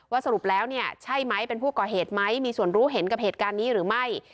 สรุปแล้วเนี่ยใช่ไหมเป็นผู้ก่อเหตุไหมมีส่วนรู้เห็นกับเหตุการณ์นี้หรือไม่